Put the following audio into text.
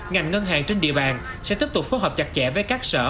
ngành ngân hàng trên địa bàn sẽ tiếp tục phối hợp chặt chẽ với các sở